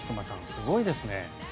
すごいですね。